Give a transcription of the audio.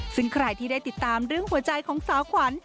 ซึ่งใครที่ได้ติดตามเรื่องหัวใจของสาวขวัญ